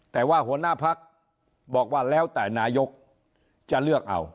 แต่ว่าหัวหน้าพักบอกว่าแล้วแต่นายกจะเลือกเอา